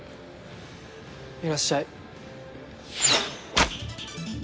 いらっしゃい。